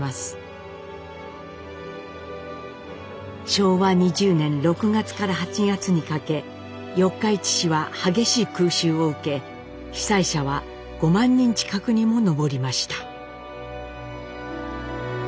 昭和２０年６月から８月にかけ四日市市は激しい空襲を受け被災者は５万人近くにも上りました。